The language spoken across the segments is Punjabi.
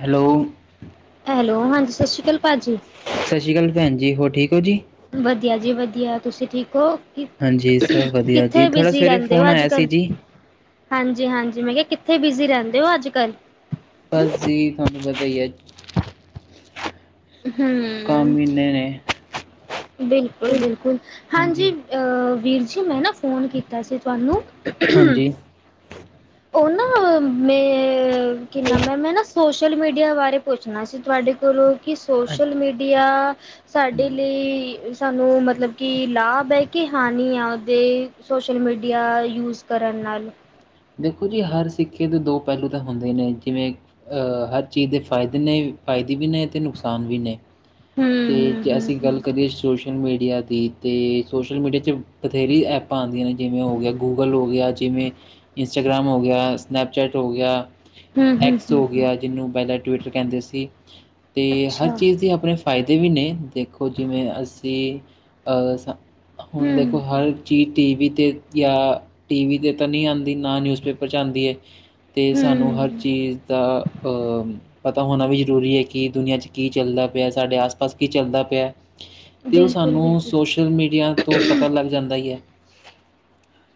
ਹੈਲੋ? ਹੈਲੋ ਹਾਂਜੀ ਸਤਿ ਸ਼੍ਰੀ ਅਕਾਲ ਭਾਜੀ। ਸਤਿ ਸ਼੍ਰੀ ਅਕਾਲ ਭੈਣ ਜੀ, ਹੋਰ ਠੀਕ ਔ ਜੀ? ਵਧੀਆ ਜੀ ਵਧੀਆ, ਤੁਸੀਂ ਠੀਕ ਔ? ਕਿ ਹਾਂਜੀ ਸਭ ਵਧੀਆ ਜੀ ਕਿੱਥੇ ਥੋੜ੍ਹਾ ਬਿਜੀ ਸਵੇਰੇ ਰਹਿੰਦੇ ਫ਼ੋਨ ਔ ਅੱਜ ਆਇਆ ਸੀ ਕੱਲ? ਜੀ ਹਾਂਜੀ ਹਾਂਜੀ ਮੈਂ ਕਿਹਾ ਕਿੱਥੇ ਬਿਜ਼ੀ ਰਹਿੰਦੇ ਹੋ ਅੱਜ ਕੱਲ੍ਹ? ਬਸ ਜੀ ਤੁਹਾਨੂੰ ਪਤਾ ਈ ਐ। ਹੂੰ, ਕੰਮ ਇਨੇ ਨੇ। ਬਿਲਕੁਲ ਬਿਲਕੁਲ, ਹਾਂਜੀ ਅਹ ਵੀਰ ਜੀ ਮੈਂ ਨਾ ਫੋਨ ਕੀਤਾ ਸੀ ਤੁਹਾਨੂੰ ਹਾਂਜੀ। ਉਹ ਨਾ ਮੈਂ ਕਿ ਮੈਂ ਮੈਂ ਨਾ ਸੋ ਸੋਸ਼ਲ ਮੀਡੀਆ ਬਾਰੇ ਪੁੱਛਣਾ ਸੀ ਤੁਹਾਡੇ ਕੋਲੋਂ ਕਿ ਸੋਸ਼ਲ ਅੱਛਾ ਮੀਡੀਆ ਸਾਡੇ ਹਾਂਜੀ ਲਈ ਸਾਨੂੰ ਮਤਲਬ ਕਿ ਲਾਭ ਐ ਕਿ ਹੀ ਆ ਉਹਦੇ ਸੋਸ਼ਲ ਮੀਡੀਆ ਯੂਜ਼ ਕਰਨ ਨਾਲ। ਦੇਖੋ ਜੀ ਹਰ ਸਿੱਕੇ ਦੇ ਦੋ ਪਹਿਲੂ ਤਾਂ ਹੁੰਦੇ ਨੇ ਜਿਵੇਂ ਹਰ ਚੀਜ਼ ਦੇ ਫਾਇਦੇ ਨੇ ਫਾਇਦੇ ਵੀ ਨੇ ਤੇ ਨੁਕਸਾਨ ਵੀ ਨੇ। ਤੇ ਜੇ ਅਸੀਂ ਹੂੰ-ਹੂੰ-ਹੂੰ-ਹੂੰ, ਗੱਲ ਕਰੀਏ ਸੋਸ਼ਲ ਮੀਡੀਆ ਦੀ ਤੇ ਸੋਸ਼ਲ ਮੀਡੀਆ ਚ ਬਥੇਰੀ ਐਪਾਂ ਆਦੀਆਂ ਨੇ ਜਿਵੇਂ ਹੋ ਗਿਆ ਗੂਗਲ ਹੋ ਗਿਆ ਜਿਵੇਂ ਇੰਸਟਾਗ੍ਰਾਮ ਹੋ ਗਿਆ ਸਨੈਪਚੈਟ ਹੋ ਗਿਆ ਐਕਸ ਹੋ ਹੂੰ-ਹੂੰ-ਹੂੰ-ਹੂੰ, ਗਿਆ ਜਿਹਨੂੰ ਪਹਿਲਾਂ ਟਵਿੱਟਰ ਕਹਿੰਦੇ ਸੀ, ਤੇ ਹਰ ਅੱਛਾ ਚੀਜ਼ ਦੀ ਆਪਣੇ ਫਾਇਦੇ ਵੀ ਨੇ ਦੇਖੋ ਜਿਵੇਂ ਅਸੀਂ ਅ ਹੁਣ ਦੇਖੋ ਹੂੰ-ਹੂੰ, ਹਰ ਚੀਜ਼ ਟੀ ਵੀ ਤੇ ਜਾਂ ਟੀ ਵੀ ਤੇ ਤਾਂ ਨੀ ਆ ਦੀ ਨਾਂ ਨਿਊਜ਼ਪੇਪਰ ਚ ਆਦੀ ਐ ਤੇ ਸਾਨੂੰ ਹਰ ਚੀਜ਼ ਦਾ ਪਤਾ ਹੋਣਾ ਵੀ ਜ਼ਰੂਰੀ ਐ ਕਿ ਦੁਨਿਆ ਚ ਕੀ ਚੱਲਦਾ ਪਿਆ ਸਾਡੇ ਆਸ ਪਾਸ ਕੀ ਚੱਲਦਾ ਪਿਆ, ਤੇ ਉਹ ਸਾਨੂੰ ਬਿਲਕੁਲ-ਬਿਲਕੁਲ। ਸੋਸ਼ਲ ਮੀਡੀਆ ਤੋਂ ਪਤਾ ਲੱਗ ਜਾਂਦਾ ਈ ਐ।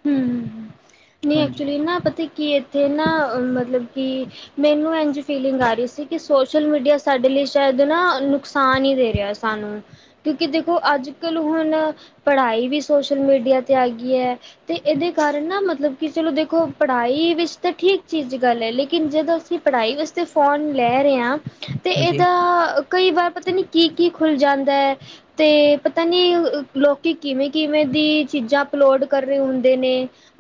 ਹੂੰ, ਨਈ ਹਾਂਜੀ ਐਕਚੁਲੀ ਨਾ ਪਤਾ ਕੀ ਇੱਥੇ ਨਾ ਮਤਲਬ ਕਿ ਮੈਨੂੰ ਇੰਝ ਫੀਲਿੰਗ ਆ ਰਹੀ ਸੀ ਕਿ ਸੋਸ਼ਲ ਮੀਡੀਆ ਸਾਡੇ ਲਈ ਸ਼ਾਇਦ ਨਾ ਨੁਕਸਾਨ ਈ ਦੇ ਰਿਆ ਸੀ। ਸਾਨੂੰ ਕਿਉਂਕਿ ਦੇਖੋ ਅੱਜ ਕੱਲ੍ਹ ਹੁਣ ਪੜ੍ਹਾਈ ਵੀ ਸੋਸ਼ਲ ਮੀਡੀਆ ਤੇ ਆ ਗੀ ਐ। ਤੇ ਇਹਦੇ ਕਾਰਨ ਨਾ ਮਤਲਬ ਕਿ ਚਲੋ ਦੇਖੋ ਪੜ੍ਹਾਈ ਵਿੱਚ ਤਾਂ ਠੀਕ ਚੀਜ਼ ਗੱਲ ਐ ਲੇਕਿਨ ਜਦੋਂ ਅਸੀਂ ਪੜ੍ਹਾਈ ਵਾਸਤੇ ਫੋਨ ਲੈ ਰੇ ਆ ਤੇ ਹਾਂਜੀ ਇਹਦਾ ਕਈ ਵਾਰ ਪਤਾ ਨੀ ਕੀ ਕੀ ਖੁੱਲ੍ਹ ਜਾਂਦਾ ਐ ਤੇ ਪਤਾ ਨੀ ਲੋਕੀ ਕਿਵੇਂ-ਕਿਵੇਂ ਦੀ ਚੀਜ਼ਾਂ ਅਪਲੋਡ ਕਰ ਹੁੰਦੇ ਨੇ।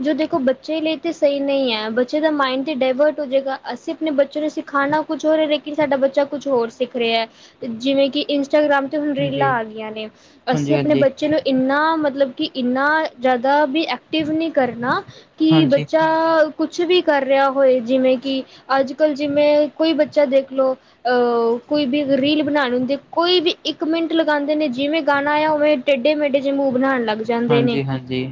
ਜੋ ਦੇਖੋ ਬੱਚੇ ਲਈ ਤੇ ਸਹੀ ਨਈ ਏ ਬੱਚੇ ਦਾ ਮਾਈੰਡ ਤਾਂ ਡਾਇਵਰਟ ਹੋ ਜਾਵੇਗਾ ਅਸੀਂ ਆਪਣੇ ਬੱਚੇ ਨੂੰ ਸਿਖਾਣਾ ਕੁਛ ਹੋ ਰਿਹਾ ਲੇਕਿਨ ਸਾਡਾ ਬੱਚਾ ਕੁਛ ਹੋਰ ਸਿੱਖ ਰਿਆ, ਜਿਵੇਂ ਕਿ ਇੰਸਟਾਗ੍ਰਾਮ ਤੇ ਹੁਣ ਰੀਲਾਂ ਹਾਂਜੀ ਆ ਗਈਆਂ ਨੇ, ਹਾਂਜੀ ਅਸੀਂ ਆਪਣੇ ਬੱਚੇ ਨੂੰ ਇੰਨਾ ਮਤਲਬ ਕਿ ਇੰਨਾ ਜ ਐਕਟਿਵ ਨੀ ਕਰਨਾ ਕਿ ਹਾਂਜੀ ਬੱਚਾ ਕੁਛ ਵੀ ਕਰ ਰਿਆ ਹੋਏ, ਜਿਵੇਂ ਕਿ ਅੱਜ-ਕੱਲ੍ਹ ਜਿਵੇਂ ਕੋਈ ਬੱਚਾ ਦੇਖ ਲਓ ਕੋਈ ਵੀ ਰੀਲ ਬਣਾਣੀ ਹੁੰਦੀ, ਕੋਈ ਵੀ ਇੱਕ ਮਿੰਟ ਲਗਾਦੇ ਨੇ ਜਿਵੇਂ ਗਾਣਾ ਆਇਆ ਉਵੇਂ ਟੇਢੇ-ਮੇਢੇ ਜੇ ਮੂੰਹ ਬਣਾਨ ਲੱਗ ਜਾਂਦੇ ਨੇ। ਹਾਂਜੀ ਹਾਂਜੀ ਹਾਂਜੀ।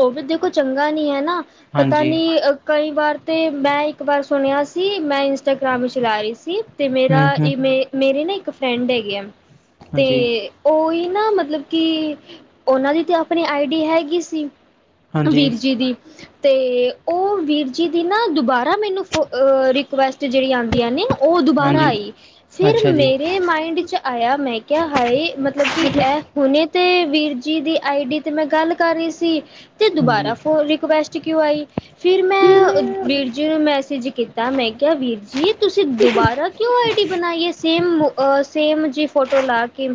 ਉਹ ਵੀ ਦੇਖੋ ਚੰਗਾ ਨੀ ਹੈ ਨਾ ਪਤਾ ਹਾਂਜੀ ਨੀ ਕਈਂ ਵਾਰ ਤੇ, ਮੈਂ ਇੱਕ ਵਾਰ ਸੁਣਿਆ ਸੀ ਮੈਂ ਇੰਸਟਾਗ੍ਰਾਮ ਚਲਾ ਰਹੀ ਸੀ, ਤੇ ਮੇਰਾ, ਹੂੰ ਹੂੰ ਮੇਰੇ ਨਾ ਇੱਕ ਫਰੈਂਡ ਹੈਗੇ ਆ। ਹਾਂਜੀ ਤੇ ਉਹੀ ਨਾ ਮਤਲਬ ਕਿ, ਉਹਨਾਂ ਦੀ ਤੇ ਆਪਣੇ ਆਈਡੀ ਹੈਗੀ ਸ ਸੀ, ਵੀਰ ਹਾਂਜੀ ਜੀ ਦੀ। ਤੇ, ਉਹ ਵੀਰ ਜੀ ਦੀ ਨਾ, ਦੁਬਾਰਾ ਮੈਨੂੰ ਫ ਰਿਕੁਐਸਟ ਤੇ, ਜੇੜੀ ਆਂਦੀਆ ਨੇ ਉਹ ਦੁਬਾਰਾ ਹਾਂਜੀ ਆਈ ਫਿਰ ਅੱਛਾ ਜੀ ਮੇਰੇ ਮਾਈਂਡ'ਚ ਆਇਆ, ਮੈਂ ਕਿਹਾ ਹਾਏ, ਮਤਲਬ ਕਿ ਏ ਹੁਣੇ ਤੇ ਵੀਰ ਜੀ ਦੀ ਆਈ-ਡੀ ਤੇ ਮੈਂ ਗੱਲ ਕਰ ਰਹੀ ਸੀ। ਤੀ ਤੇ, ਹਾਂਜੀ ਦੁਬਾਰਾ [unintelligible] ਰਿਕੁਐਸਟ ਕਿਉਂ ਆਈ? ਫਿਰ ਮੈਂ, ਵੀਰ ਜੀ ਨੂੰ ਮੈਸੇਜ ਕੀ ਤਾਂ, ਮੈਂ ਕਿਹਾ ਵੀਰ ਜੀ, ਤੁਸੀਂ ਦੁਬਾਰਾ ਕਿਉਂ ਆਈ-ਡੀ ਬਣਾਈ ਆ ਸੇਮ, ਸੇਮ ਜੀ ਫੋਟੋ ਲਾ ਕੇ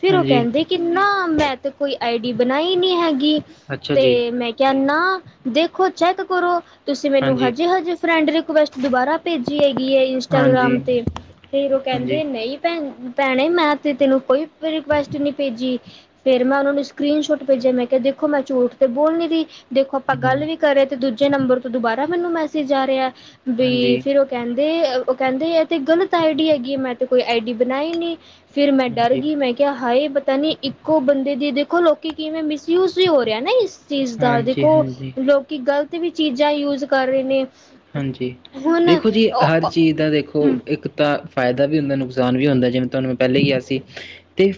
ਫਿਰ ਉਹ ਹਾਂਜੀ ਕਹਿੰਦੇ, ਕਿ ਨਾ ਮੈਂ ਤੇ ਕੋਈ ਆਈਡੀ ਬਣਾਈ ਨਹੀਂ ਹੈਗੀ, ਅੱਛਾ ਜੀ ਤੇ ਮੈਂ ਕਹਣਾ, ਦੇਖੋ ਚੈੱਕ ਕਰੋ। ਤੁਸੀਂ ਮੈਨੂੰ ਹਾਂਜੀ ਹਜੇ-ਹਜੇ ਫਰੈਂਡ ਰਿਕੁਐਸਟ ਦੁਬਾਰਾ ਭੇਜੀ ਹੈਗੀ ਏ ਹਾਂਜੀ ਇੰਸਟਾਗ੍ਰਾਮ 'ਤੇ। ਫੇਰ ਉਹ ਹਾਂਜੀ ਕਹਿੰਦੇ, ਨਹੀਂ ਭੈ-ਭੈਣੇ ਮੈਂ ਤੇ ਤੈਨੂੰ ਕੋਈ ਰਿਕੁਐਸਟ ਨਹੀਂ ਭੇਜੀ। ਫੇਰ, ਮੈਂ ਉਹਨਾਂ ਨੂੰ ਸਕਰੀਨ ਸ਼ੋਟ ਭੇਜਿਆ, ਮੈਂ ਕਿਹਾ ਦੇਖੋ ਮੈਂ ਝੂਠ ਤੇ ਬੋਲ ਨੀ ਰਹੀ ਦੇਖੋ ਆਪਾਂ ਹੂੰ ਗੱਲ ਹਾਂਜੀ ਵੀ ਕਰੇ ਤੇ ਦੂਜੇ ਨੰਬਰ ਤੋਂ ਦੁਬਾਰਾ ਮੈਨੂੰ ਮੈਸੇਜ ਆ ਰਿਹਾ। ਬਈ ਫਿਰ ਹਾਂਜੀ ਔ ਕਹਿੰਦੇ, ਉਹ ਕਹਿੰਦੇ ਇਹ ਤੇ ਗ਼ਲਤ ਆਈ-ਡੀ ਹੈਗੀ, ਮੈਂ ਤੇ ਕੋਈ ਆਈ-ਡੀ ਬਣਾਈ ਨੀ। ਫਿਰ ਮੈਂ ਡਰ ਹਾਂਜੀ ਗਈ, ਮੈਂ ਕਿਹਾ ਹਾਏ ਪਤਾ ਨਹੀਂ, ਇੱਕੋ ਬੰਦੇ ਦੀ ਦੇਖੋ ਲੋਕੀ ਕਿਵੇਂ ਮਿਸਯੂਜ ਵੀ ਹੋਏ ਤੇ ਹੈ ਨਾ ਇਸ ਚੀਜ਼ ਦਾ, ਦੇਖੋ ਹਾਂਜੀ ਲੋਕੀ ਗ਼ਲਤ ਵੀ ਚੀਜ਼ਾਂ ਯੁਜ਼ ਕਰ ਰਹੇ ਨੇ। ਹਾਂਜੀ, ਹੁਣ ਦੇਖੋ ਜੀ ਹਰ ਚੀਜ਼ ਦਾ ਦੇਖੋ ਏਕ ਦਾ ਫਾਇਦਾ ਵੀ ਹੁੰਦਾ, ਨੁਕਸਾਨ ਵੀ ਹੁੰਦਾ, ਜਿਵੇਂ ਤੁਵਾਂਨੂੰ ਮੈਂ ਪਹਿਲੈ ਕਿਹਾ ਸੀ। ਤੇ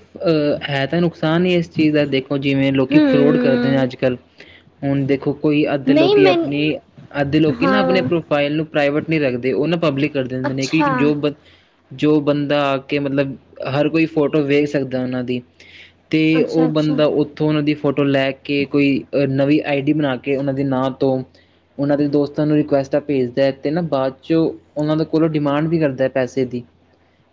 ਹੈ ਤਾਂ ਨੁਕਸਾਨ ਈ ਇਸ ਇਸ ਚੀਜ਼ ਦਾ ਦੇਖੋ, ਜਿਵੇਂ ਲੋਕੀ ਹੂੰ ਫਰੋਡ ਕਰਦੇ ਨੇ ਅੱਜ ਕੱਲ੍ਹ ਹੁਣ ਦੇਖੋ ਕੋਈ ਅੱਧੇ ਨਹੀਂ ਲੋਕੀ, ਮੈਨੂੰ ਆਪਣੀ ਅੱਧੇ ਲੋਕੀ ਨਾ ਆਪਣੇ ਹਾਂ ਫਾਇਲ ਨੂੰ ਪ੍ਰਾਈਵੇਟ ਨਹੀਂ ਰੱਖਦੇ, ਉਹ ਨਾ ਪਬਲਿਕ ਕਰ ਦੇਂਦੇ ਨੇ ਅੱਛਾ ਕਿਉ ਜੋ ਬ ਜੋ ਬੰਦਾ ਆ ਕੇ, ਮਤਲਬ ਹਰ ਕੋਈ ਫੋਟੋ ਵੇਖ ਸਕਦਾ ਉਹਨਾਂ ਦੀ। ਤੇ, ਅੱਛਾ ਉਹ ਅੱਛਾ ਬੰਦਾ ਉ ਓਥੁ ਉਹਨਾਂ ਦੀ ਫੋਟੋ ਲੈ ਕੇ ਕੋਈ ਨਵੀ ਆਈ-ਡੀ ਬਣਾ ਕੇ ਉਹਨਾਂ ਦੇ ਨਾਂ ਤੋਂ ਉਹਨਾਂ ਦੇ ਦੋਸਤਾਂ ਨੂੰ ਰਿਕੁਐਸਟ ਤਾ ਭੇਜਦਾ ਤੇ ਨਾ, ਬਾਅਦ ਚੋਂ ਉਹਨਾਂ ਦੇ ਕੋਲੋਂ ਡਿਮਾਂਡ ਵੀ ਕਰਦਾ ਹੈ ਪੈਸੇ ਦੀ।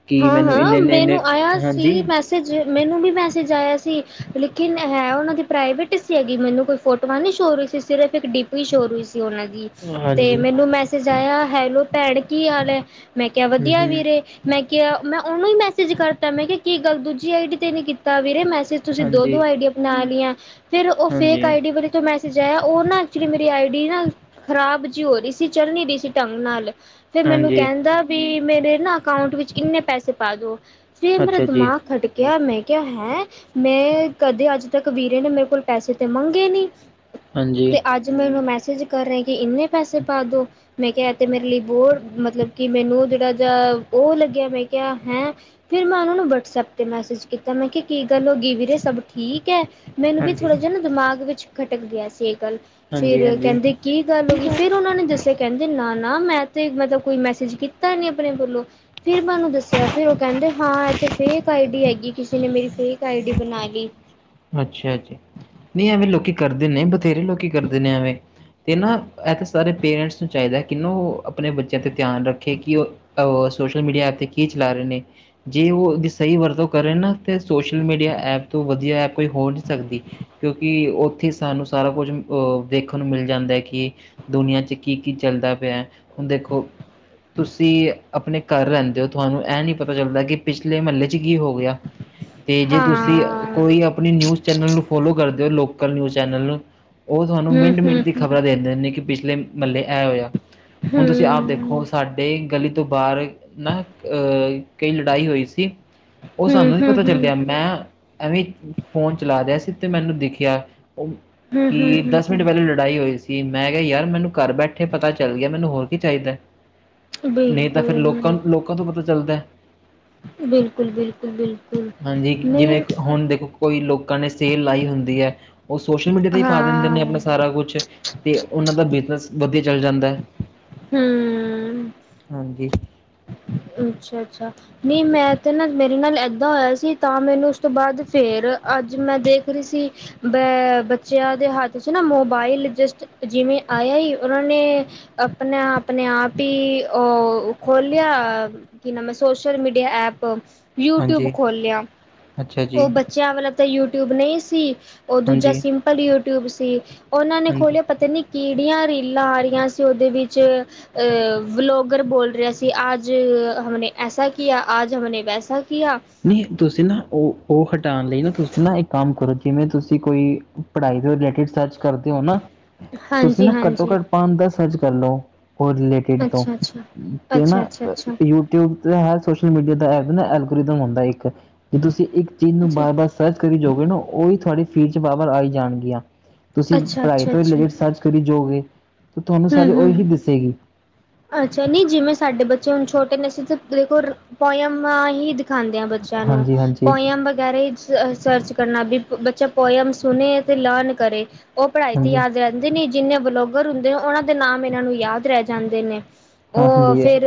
ਕਿ ਮੈਨੂੰ ਹਾਂ-ਹਾਂ ਇੰਨੇ ਇੰਨੇ ਇੰਨੇ ਮੈਨੂੰ ਆਯਾ ਸੀ, ਹਾਂਜੀ ਮੈਂ ਮੈਸਜ ਮੈਨੂੰ ਵੀ ਮੈਸੇਜ ਆਇਆ ਸੀ ਲੇਕਿਨ, ਹੈ ਉਹਨਾਂ ਦੀ ਪ੍ਰਾਈਵੇਟ ਸੀ ਹੈਗੀ, ਮੈਨੂੰ ਕੋਈ ਫੋਟੋਆਂ ਨੀ ਸ਼ੋਅ ਹੋ ਰਹੀ ਸੀ, ਸਿਰਫ ਇੱਕ ਡਿ ਪੀ ਸ਼ੋਅ ਹੋ ਰਹੀ ਸੀ, ਉਹਨਾਂ ਦੀ। ਤੇ ਹਾਂਜੀ ਮੈਨੂੰ ਮੈਸੇਜ ਆਇਆ, ਹੈਲੋ ਭੈਣ ਕੀ ਹਾਲ ਹੈ? ਮੈਂ ਕਿਹਾ ਹੂੰ ਵਧੀਆ ਹੂੰ ਹਾਂਜੀ ਵੀਰੇ ਮੈਂ ਕਿਆ, ਮੈਂ ਉਹਨੂੰ ਈ ਮੈਸੇਜ ਕਰਤਾ ਮੈਂ ਕਿਹਾ ਕੀ ਗੱਲ ਦੂਜੀ ਆਈ ਡੀ ਤੇ ਨੀ ਕੀਤਾ ਵੀਰੇ ਮੈਸੇਜ ਤੁਸੀਂ ਹਾਂਜੀ ਦੋ-ਦੋ ਆਈਡੀ ਬਣਾ ਲੀਆਂ, ਫੇਰ ਉਹ ਫੇਕ ਹਾਂਜੀ ਆਈ ਡਿ ਬ ਤੇ ਮੈਸੇਜ ਆਇਆ, ਉਹ ਨਾ ਐਕਚੁਲੀ ਮੇਰੀ ਆਈ ਡੀ ਨਾ ਖ਼ਰਾਬ ਜਿਹੀ ਹੋ ਰਹੀ ਸੀ ਚੱਲ ਣੀ ਰਹੀ ਸੀ ਢੰਗ ਨਾਲ, ਫਿਰ ਮੈਨੂੰ ਹਾਂਜੀ ਕਹਿੰਦਾ ਬਈ ਮੇਰੇ ਨਾ ਅਕਾਊਂਟ ਵਿੱਚ ਇੰਨੇ ਪੈਸੇ ਪਾ ਦਉ। ਫੇਰ ਮੇਰਾ ਅੱਛਾ ਜੀ ਦਿਮਾਗ ਖੱਟਕ਼ ਕਯਾ, ਮੈਂ ਕਿਹਾ ਹੈ ਮੈਂ ਕਦੇ ਅੱਜ ਤੱਕ ਵੀਰੇ ਨੇ ਮੇਰੇ ਕੋਲ ਪੈਸੇ ਤੇ ਮੰਗੇ ਨਹੀਂ। ਹਾਂਜੀ। ਤੇ ਅੱਜ ਮੈਨੂੰ ਮੈਸੇਜ ਕਰ ਰਿਹਾ ਕਿ ਇੰਨੇ ਪੈਸੇ ਪਾ ਦੋ। ਮੈਂ ਕਿਹਾ ਤੇ ਮੇਰੇ ਲਈ ਬੋਰ ਮਤਲਬ ਕਿ ਮੈਨੂੰ ਜਿਹੜਾ ਜਾ ਉਹ ਲੱਗਿਆ ਮੈਂ ਕਿਹਾ ਹੈਂ, ਫਿਰ ਮੈਂ ਉਹਨਾ ਨੂੰ ਵਟਸਐਪ ਤੇ ਮੈਸੇਜ ਕੀਤਾ ਮੈਂ ਕਿਹਾ ਕੀ ਗੱਲ ਹੋ ਗੀ ਵੀਰੇ ਸਭ ਠੀਕ ਹੈ। ਮੈਨੂੰ ਵੀ ਹਾਂਜੀ। ਥੋੜ੍ਹਾ ਜਿਹਾ ਨਾ ਦਿਮਾਗ ਵਿੱਚ ਖਟਕ ਗਿਆ ਸੀ ਇਹ ਗੱਲ, ਫੇਰ ਹਾਂਜੀ-ਹਾਂਜੀ। ਕਹਿੰਦੇ ਕੀ ਗੱਲ ਹੋ ਗਈ ਫੇਰ ਉਹਨਾਂ ਨੇ ਦੱਸ ਕਹਿੰਦੇ ਨਾ-ਨਾ ਮੈਂ ਤੇ ਮਤਲਬ ਕੋਈ ਮੈਸੇਜ ਕੀਤਾ ਨੀ ਆਪਣੇ ਵਲੋਂ, ਫਿਰ ਮੈਨੂੰ ਦੱਸਿਆ ਫਿਰ ਉਹ ਕਹਿੰਦੇ ਹਾਂ ਇੱਥੇ ਫੇਕ ਆਈ ਡੀ ਹੈਗੀ ਕਿਸੇ ਨੇ ਮੇਰੀ ਫੇਕ ਆਈ ਡੀ ਬਣਾ ਲਈ, ਅੱਛਾ-ਅੱਛਾ, ਨਹੀਂ ਐਵੇਂ ਲੋਕੀ ਕਰਦੇ ਨੇ ਬਥੇਰੇ ਲੋਕੀ ਕਰਦੇ ਨੇ ਐਵੇਂ, ਤੇ ਨਾ ਇਹ ਤਾਂ ਸਾਰੇ ਪੇਰੈਂਟਸ ਨੂੰ ਚਾਹੀਦਾ ਕਿ ਨੂ ਉਹ ਆਪਣੇ ਬੱਚਿਆਂ 'ਤੇ ਧਿਆਨ ਰੱਖੇ ਕਿ ਉਹ ਉਹ ਸੋਸ਼ਲ ਮੀਡੀਆ ਆਪ ਤੇ ਕੀ ਚਲਾ ਰਹੇ ਨੇ, ਜੇ ਉਹਦੀ ਸਹੀ ਵਰਤੋਂ ਕਰੇ ਨਾ ਤੇ ਸੋਸ਼ਲ ਮੀਡੀਆ ਐਪ ਤੋਂ ਵਧੀਆ ਐਪ ਕੋਈ ਹੋ ਨਹੀ ਸਕਦੀ। ਕਿਉਂਕਿ ਉੱਥੇ ਸਾਨੂੰ ਸਾਰਾ ਕੁਝ ਅਹ ਦੇਖਣ ਨੂੰ ਮਿਲ ਜਾਂਦਾ ਹੈ ਕਿ, ਦੁਨੀਆ ਚ ਕੀ-ਕੀ ਚੱਲਦਾ ਪਿਆ ਹੁਣ ਦੇਖੋ, ਤੁਸੀਂ ਆਪਣੇ ਘਰ ਰਹਿੰਦੇ ਹੋ ਤੁਹਾਨੂੰ ਇਹ ਨੀ ਪਤਾ ਚੱਲਦਾ ਕਿ ਪਿਛਲੇ ਮਹੱਲੇ ਚ ਕੀ ਹੋ ਗਿਆ। ਹ ਤੇ ਜੇ ਤੁਸੀਂ ਹਾਂ ਕੋਈ ਆਪਣੀ ਨਿਊਜ਼ ਚੈਨਲ ਨੂੰ ਫੋਲੋ ਕਰਦੇ ਹੋ ਲੋਕਲ ਨਿਊਜ਼ ਚੈਨਲ ਨੂੰ, ਉਹ ਤੁਹਾਨੂੰ ਹੂੰ ਹੂੰ ਮਿੰਟ-ਮਿੰਟ ਦੀ ਹੂੰ ਖ਼ਬਰਾਂ ਦੇ ਦਿੰਦੇ ਨੇ ਕਿ ਪਿਛਲੇ ਮਹੱਲੇ ਐ ਹੋਇਆ। ਹੂੰ, ਹੁਣ ਤੁਸੀਂ ਆਪ ਦੇਖੋ ਹੂੰ, ਸਾਡੇ ਗਲੀ ਤੋਂ ਬਾਹਰ ਨਾ ਅਹ ਕਈ ਲੜਾਈ ਹੋਈ ਸੀ ਉਹ ਹੂੰ, ਸਾਨੂੰ ਨੀ ਪਤਾ ਹੂੰ। ਚੱਲਿਆ ਮੈਂ ਐਵੇਂ ਫੋਨ ਚਲਾ ਰਿਹਾ ਸੀ ਤੇ ਮੈਨੂੰ ਦਿਖਿਆ, ਹੂੰ, ਹੂੰ, ਕਿ ਹੂੰ, ਦਸ ਮਿੰਟ ਹੂੰ ਪਹਿਲ ਲ ਲੜਾਈ ਹੋਈ ਸੀ ਮੈਂ ਕਿਹਾ ਯਾਰ ਮੈਨੂੰ ਘਰ ਬੈਠੇ ਪਤਾ ਚੱਲ ਗਿਆ ਮੈਨੂੰ ਹੋਰ ਕੀ ਚਾਹੀਦਾ। ਨਹੀ ਤਾਂ ਫਿਰ ਲੋਕਾਂ ਬਿਲਕੁਲ, ਨੂੰ ਲੋਕਾਂ ਤੋਂ ਪਤਾ ਚੱਲਦਾ ਹੈ। ਬਿਲਕੁਲ, ਬਿਲਕੁਲ, ਬਿਲਕੁਲ, ਹਾਂਜੀ ਨਹੀਂ, ਜਿਵੇਂ ਹੁਣ ਦੇਖੋ ਕੋਈ ਲੋਕਾਂ ਨੇ ਸੇਲ ਲਾਈ ਹੁੰਦੀ ਹੈ ਉਹ ਸੋਸ਼ਲ ਮੀਡੀਆ ਤੇ ਹੀ ਪਾ ਦਿੰਦੇ ਹਾਂ, ਨੇ ਆਪਣਾ ਸਾਰਾ ਕੁਛ, ਤੇ ਉਹਨਾਂ ਦਾ ਬਿਜ਼ਨਸ ਵਧੀਆ ਚੱਲ ਜਾਂਦਾ ਹੈ, ਹੂੰ, ਹਾਂਜੀ। ਅੱਛਾ-ਅੱਛਾ, ਨਹੀ ਮੈਂ ਤੇ ਨਾ ਮੇਰੇ ਨਾਲ ਏਦਾਂ ਹੋਇਆ ਸੀ ਤਾਂ ਮੈਨੂੰ ਉਸ ਤੋਂ ਬਾਅਦ ਫੇਰ ਅੱਜ ਮੈਂ ਦੇਖ ਰਹੀ ਸੀ ਬ ਬੱਚਿਆਂ ਦੇ ਹੱਥ 'ਚ ਨਾ ਮੋਬਾਈਲ ਜਸਟ ਜਿਵੇਂ ਆਇਆ ਹੀ ਉਹਨਾਂ ਨੇ, ਆਪਣੇ ਆਪਣੇ ਆਪ ਹੀ ਓ ਖੋਲ ਲਿਆ, ਕੀ ਨਾਮ ਆ ਸੋਸ਼ਲ ਮੀਡੀਆ ਐਪ ਯੂਟਿਊਬ ਹਾਂਜੀ ਖੋਲਿਆ ਅੱਛਾ ਜੀ ਉਹ ਬ ਚਿਆਂਵਲ ਤਾਂ ਯੂਟਿਊਬ ਨਹੀਂ ਸੀ ਉਹ ਦੂਜਾ ਹਾਂਜੀ ਸਿੰਪਲ ਯੂਟਿਊਬ ਸੀ ਉਨ੍ਹਾਂ ਨੇ ਹਾਂਜੀ ਖੋਲਿਆ ਪਤਾ ਨੀ ਕਿਹੜੀਆਂ ਰੀਲਾਂ ਆ ਰਹੀਆਂ ਸੀ ਉਹਦੇ ਵਿੱਚ ਅਹ ਵਲੋਗਰ ਬੋਲ ਰਿਹਾ ਸੀ ਅ ਜ ਹਮ ਨੇ ਐਸਾ ਕਿਆ ਆਜ ਹਮ ਨੇ ਵੈਸਾ ਕਿਆ, ਨਹੀਂ ਤੁਸੀਂ ਨਾ ਉਹ-ਉਹ ਹਟਾਉਣ ਲਈ ਨਾ ਤੁਸੀਂ ਨਾ ਇੱਕ ਕੰਮ ਕਰੋ ਜਿਵੇਂ ਤੁਸੀਂ ਕੋਈ, ਪੜ੍ਹਾਈ ਦੇ ਰਿਲੇਟਿਡ ਸਰਚ ਕਰਦੇ ਹੋ ਨਾ, ਤੁਸੀਂ ਹਾਂਜੀ ਨਾ ਘੱਟੋ ਹਾਂਜੀ ਘੱਟ ਪਾ ਦਾ ਸਜ ਕਰ ਲਓ ਹੋ ਰਿਲੇਟ ਤੋ ਅੱਛਾ ਅੱਛਾ ਤੇ ਨਾ ਅੱਛਾ ਅੱਛਾ ਅੱਛਾ ਪੀ ਯੁ ਬ ਸੋਸ਼ਲ ਮੀਡੀਆ ਦਾ ਐਪ ਐਲਗੋਰਮ ਹੁੰਦਾ ਇੱਕ ਜੇ ਤੁਸੀਂ ਇੱਕ ਚੀਜ਼ ਨੂੰ ਅੱਛਾ ਬਾਰ-ਬਾਰ, ਸਰਚ ਕਰੀ ਜੋਗੇ ਨਾ ਉਹੀ ਤੁਹਾਡੀ ਫੀਲਡ 'ਚ ਬਾਹਰ ਆਈ ਜਾਣਗੀਆਂ, ਤੁਸੀਂ ਅੱਛਾ ਪੜ੍ਹਾਈ ਅੱਛਾ ਤੋਂ ਅੱਛਾ ਰਿਲੇਟਿਡ ਸਰਚ ਕਰੀ ਜਾਓਗੇ ਤਾਂ ਤੁਹਾਨੂੰ ਹੂੰ ਸਾਰੀ ਹੂੰ ਉਹੀ ਦੱਸੇਗੀ। ਅੱਛਾ ਨਹੀ ਜਿਵੇਂ ਸਾਡੇ ਬੱਚੇ ਹੁਣ ਛੋਟੇ ਨੇ ਸੀ ਤੇ ਦੇਖੋ ਪੋਇਮ ਹੀ ਖਾਂਦਿਆਂ ਬੱਚਿਆਂ ਨੂੰ ਹਾਂਜੀ ਹਾਂਜੀ ਪੋਇਮ ਵਗੈਰਾ ਹੀ, ਸਰਚ ਕਰਨਾ ਵੀ ਬੱਚਾ ਪੋਇਮ ਸੁਣੇ ਤੇ ਲਰਨ ਕਰੇ ਉਹ ਪੜ੍ਹਾਈ ਤੇ ਹਾਂਜੀ ਯਾਦ ਰਹਿ ਕਹਿੰਦੇ ਨੇ ਜਿੰਨੇ ਬਲੋਗਰ ਹੁੰਦੇ ਨੇ ਉਹਨਾਂ ਦੇ ਨਾਮ ਇਹਨਾਂ ਨੂੰ ਯਾਦ ਰਹਿ ਜਾਂਦੇ ਨੇ। ਉਹ ਹਾਂਜੀ ਫੇਰ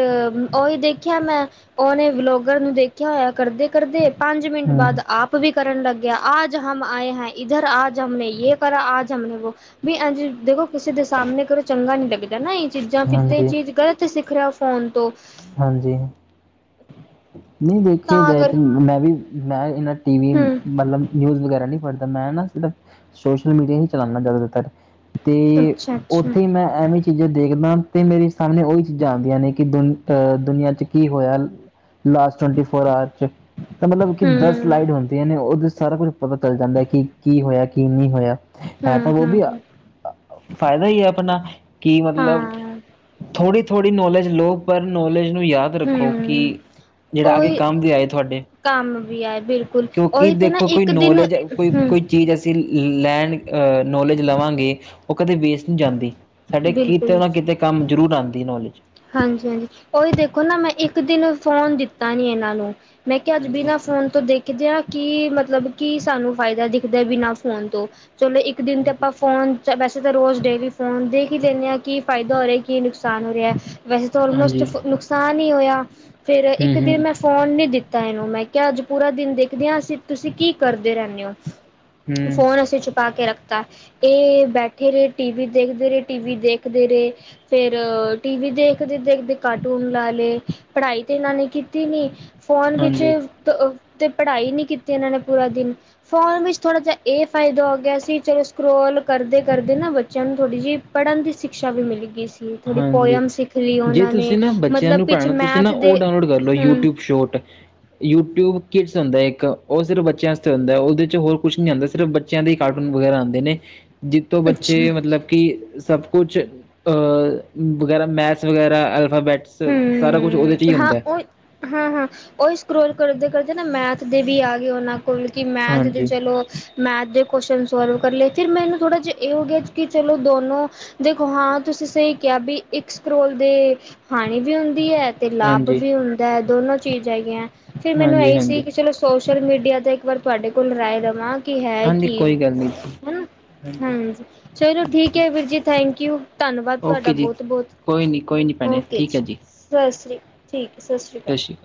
ਉਹੀ ਦੇਖਿਆ ਮੈਂ ਉਹਨੇ ਵਲੋਗਰ ਨੂੰ ਦੇਖਿਆ ਹੋਇਆ ਕਰਦੇ, ਕਰਦੇ ਪੰਜ ਇਹ ਮਿੰਟ ਹੂੰ ਬਾਦ ਆਪ ਤੁਵੀ ਕਰਨ ਲੱਗ ਗਿਆ, ਆਜ ਹਮ ਆਏ ਹੈ ਇਧਰ ਆਜ ਹਮ ਨੇ ਯੇ ਕਰਾ, ਆਜ ਹਮ ਨੇ ਵੋ ਵੀ ਅੱਜ ਦੇਗੋ ਕਿਸੇ ਦੇ ਸਾਹਮਣੇ ਕਰੋ ਚੰਗਾ ਨੀ ਲੱਗਦਾ ਨਾ ਏਹ ਚੀਜ਼ਾਂ, ਫਿਰ ਤਾਂ ਏਹ ਹਾਂਜੀ ਚੀਜ਼ ਗ਼ਲਤ ਸਿੱਖ ਰਿਆ ਫੋਨ ਤੋਂ। ਹਾਂਜੀ ਨਹੀਂ ਦੇਖਿਆ ਤਾਂ ਜਾਏ ਕਰ ਤੇ ਮੈਂ ਵੀ ਮੈਂ ਏਨਾਂ ਟੀ ਵੀ ਹੂੰ ਮਤਲਬ ਨਿਊਜ਼ ਵਗੈਰਾ ਨੀ ਪੜ੍ਹਦਾ ਮੈਂ ਨਾ ਸਿਰਫ, ਸੋਸ਼ਲ ਮੀਡੀਆ ਈ ਚਲਾਂਣਾ ਜ਼ਿਆਦਾਤਰ ਤੇ। ਤੇ ਅੱਛਾ ਅੱਛਾ ਓੱਥੇ ਮੈਂ ਐਵੇਂ ਚੀਜ਼ਾਂ ਦੇਖਦਾਂ ਤੇ ਮੇਰੇ ਸਾਹਮਣੇ ਉਹੀ ਚੀਜ਼ਾਂ ਆੱਦੀਆਂ ਨੇ, ਕਿ ਦੁਨ ਅਹ ਦੁਨੀਆਂ ਚ ਕੀ ਹੋਇਆ। ਲਾਸਟ ਟਵਂਟੀ ਫੌਰ ਅਵਰ ਚ, ਤੇ ਮਤਲਬ ਹੂੰ ਕਿਦਾਂ ਹੂੰ ਸਲਾਈਡ ਹੋਂਣ ਤੇ ਐਨੇ ਹੋਰ ਕੁਛ ਸਾਰਾ ਕੁਛ ਪਤਾ ਚੱਲ ਜਾਂਦੈ ਕਿ, ਕੀ ਹੋਇਆ ਕੀ ਨੀ ਹੋਇਆ ਹੈ ਤਾਂ ਹੂੰ ਓਹ ਵੀ ਹੂੰ ਫਾਇਦਾ ਹੀ ਐ ਆਪਣਾ ਕਿ ਮਤਲਬ ਹਾਂ ਥੋੜ੍ਹੀ-ਥੋੜ੍ਹੀ ਨੋਲੇਜ ਲਓ, ਪਰ ਨੋਲੇਜ ਨੂੰ ਯਾਦ ਰੱਖੋ ਕਿ ਹੂੰ ਜੇਹੜਾ ਅਗੇ ਉਹੀ ਕੰਮ ਵੀ ਆਏ ਤੁਹਾਡੇ। ਕੰਮ ਵੀ ਆਏ ਬਿਲਕੁਲ, ਕਿਉਂਕਿ ਓਹੀ ਤੇ ਨਾ ਦੇਖੋ ਕੋਈ ਇੱਕ ਦਿਨ, ਨੌਲੇਜ ਕੋਈ ਹੂੰ ਕੋਈ ਚੀਜ਼ ਅਸੀਂ ਲੈਣ ਅ ਨੋਲੇਜ ਲਵਾਂਗੇ, ਓਹ ਕਦੇ ਵੇਸਟ ਨੀ ਜਾਂਦੀ। ਸਾਡੇ ਕਿਤੇ ਬਿਲਕੁਲ ਨਾ ਕਿਤੇ ਕੰਮ ਜ਼ਰੂਰ ਆਂਦੀ ਏ ਨੋਲੇਜ। ਹਾਂਜੀ-ਹਾਂਜੀ ਓਹੀ ਦੇਖੋ ਨਾ ਮੈਂ ਇੱਕ ਦਿਨ ਫੋਨ ਦਿੱਤਾ ਨੀ ਐਹਨਾਂ ਨੂੰ। ਮੈਂ ਕੇਹਾ ਅੱਜ ਹਾਂਜੀ ਬਿਨਾ ਫੋਨ ਤੋਂ ਦੇਖ ਦੇ ਆ ਕਿ ਮਤਲਬ ਕੀ ਸਾਨੂੰ ਫਾਇਦਾ ਦਿਖਦੈ ਬਿਨਾਂ ਫੋਨ ਤੋਂ, ਚਲੋ ਇੱਕ ਦਿਨ ਚ ਹਾਂਜੀ ਆਪਾਂ ਫੋਨ ਤਾਂ ਵੈਸੇ ਤਾਂ ਰੋਜ਼ ਡੇਲੀ ਫੋਨ ਦੇਖ ਹੀ ਲੈਂਣੇ ਆਂ ਕੀ ਫਾਇਦਾ ਹੋ ਰੇਐ ਕੀ ਨੁਕਸਾਨ ਹੋ ਰੇਐ। ਵੈਸੇ ਤਾਂ ਆਲਮੋਸਟ ਹਾਂਜੀ ਫੋ ਨੁਕਸਾਨ ਈ ਔਇਆ, ਫੇਰ ਇੱਕ ਹਮ ਦਿਨ ਹਮ ਮੈਂ ਫੋਨ ਨੀ ਦਿੱਤਾ ਇਹਨੂੰ ਮੈਂ ਕੇਹਾ ਅੱਜ ਪੂਰਾ ਦਿਨ ਦੇਖਦੇ ਹਾਂ ਅਸੀਂ, ਤੁਸੀਂ ਕੀ ਕਰਦੇ ਰਹਿੰਣੇ ਓ। ਹਮ ਫੋਨ ਅਸੀਂ ਛੁਪਾ ਕੇ ਰੱਖਤਾ। ਏਹ ਬੈਠੇ ਰਏ ਟੀ ਵੀ ਦੇਖਦੇ ਰਏ, ਟੀ ਵੀ ਦੇਖਦੇ ਰਏ, ਫੇਰ ਟੀ ਵੀ ਦੇਖ ਕਦੇ ਦੇਖਦੇ ਕਾਰਟੂਨ ਲਾ ਲਏ, ਪੜ੍ਹਾਈ ਤੇ ਇਹਨਾਂ ਨੇ ਕੀਤੀ ਨੀ ਫੋਨ ਵਿੱਚ ਹਾਂਜੀ ਤ ਅ ਤੇ ਪੜ੍ਹਾਈ ਨੀ ਕੀਤੀ ਇਹਨਾਂ ਨੇ ਪੂਰਾ ਦਿਨ ਫ਼ੋਨ ਵਿੱਚ ਥੋੜ੍ਹਾ ਜੇਹਾ ਏਹ ਫਾਇਦਾ ਹੋ ਗਿਆ ਸੀ ਚਲੋ ਸਕਰੋਲ ਕਰਦੇ-ਕਰਦੇ ਨਾ ਬੱਚਿਆਂ ਨੂੰ ਥੋੜ੍ਹੀ ਜਿਹੀ ਪੜ੍ਹਨ ਦੀ ਸ਼ਿਕਸ਼ਾ ਵੀ ਮਿਲ ਗਈ ਸੀ ਥੋੜੀ ਹਾਂਜੀ ਪੋਇਮ ਸਿਖ ਜੇ ਤੁਸੀਂ ਨਾ ਬੱਚਿਆਂ ਨੂੰ ਪੜ੍ਹਾਣਾ, ਤੁਸੀਂ ਨਾ ਓਹ ਦੇ ਡਾਊਨਲੋਡ ਕਰ ਲਓ ਹਮ ਯੂਟਿਊਬ ਸ਼ੋਟ। ਯੂਟਿਊਬ ਕਿਡਸ ਹੋਂਦੈ ਇੱਕ ਓਹ ਸਿਰਫ ਬੱਚਿਆਂ ਆਸਤੇ ਹੁੰਦਾ ਓਹਦੇ ਚ ਹੋਰ ਕੁਛ ਨੀ ਹੁੰਦਾ ਸਿਰਫ ਬ ਬੱਚਿਆਂ ਦੇ ਈ ਕਾਰਟੂਨ ਵਗੈਰਾ ਆਂਦੇ ਨੇ ਜਿੱਤੋਂ ਅੱਛਾ ਬੱਚੇ ਮਤਲਬ ਕਿ ਸਭ ਕੁਛ ਅਹ ਵਗੈਰਾ ਮੈਥਸ ਵਗੈਰਾ, ਐਲਫਾਬੈਟਸ ਸਾਰਾ ਕੁਛ ਓਹਦੇ ਈ ਹੂੰ ਹਾਂ ਹੁੰਦੈ। ਉਹ ਹਾਂ-ਹਾਂ ਓਹੀ ਸਕਰੋਲ ਕਰਦੇ-ਕਰਦੇ ਨਾ ਮੈਥ ਦੇ ਵੀ ਆ ਗਏ ਓਹਨਾਂ ਕਿਂਉਕੀ ਮੈਂਥ ਤੇ ਹਾਂਜੀ ਚਲੋ ਮੈਥ ਦੇ ਕੋਸ਼ਚਨ ਸੋਲਵ ਕਰ ਲਏ, ਫੇਰ ਮੈਨੂੰ ਥੋੜ੍ਹਾ ਜੇਹਾ ਏਹ ਹੋ ਗਿਆ ਕਿ ਚਲੋ ਦੋਨੋਂ ਦੇਖੋ ਹਾਂ ਤੁਸੀਂ ਸਈ ਕੇਆ ਬਈ, ਇੱਕ ਸਕਰੋਲ ਦੇ ਹਾਨੀ ਵੀ ਹੁੰਦੀ ਐ ਤੇ ਲਾਭ ਹਾਂਜੀ ਵੀ ਹੁੰਦੈ, ਦੋਨੋ ਚੀਜ਼ ਹੈਗੀਐਂ ਫਿਰ ਮੈਨੂੰ ਹਾਂਜੀ ਐਹੀ ਸੀ ਹਾਂਜੀ ਕਿ ਚਲੋ ਸੋਸ਼ਲ ਮੀਡੀਆ ਤੇ ਇੱਕ ਵਾਰ ਤੁਹਾਡੇ ਕੋਲ ਰਾਏ ਲਵਾਂ ਕਿ ਹੈ ਹਾਂਜੀ ਕੀ, ਕੋਈ ਗੱਲ ਨਹੀਂ ਜੀ ਹੈਨਾ। ਹਾਂਜੀ, ਚਲੋ ਠੀਕ ਹੈ ਵੀਰ ਜੀ ਥੈਂਕਯੂ, ਧੰਨਵਾਦ ਤੁਹਾਡਾ ਓਕੇ ਜੀ ਬਹੁਤ-ਬਹੁਤ। ਕੋਈ ਨੀ ਕੋਈ ਨੀ। ਓਕੇ ਜੀ, ਸਸ ਸ਼੍ਰੀ ਠੀਕ ਹੈ ਸਸ ਸ਼੍ਰੀ ਕਾਲ। ਸਤਿ ਅਕਾਲ